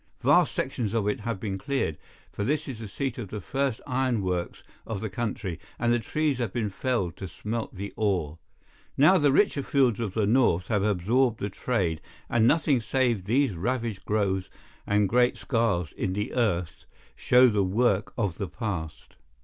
Vast sections of it have been cleared, for this is the seat of the first iron works of the country, and the trees have been felled to smelt the ore. Now the richer fields of the North have absorbed the trade, and nothing save these ravaged groves and great scars in the earth show the work of the past.